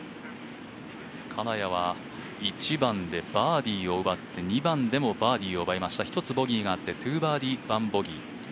金谷は１番でバーディーを奪って２番でもバーディーを奪いました１つボギーがあって２バーディー、１ボギー。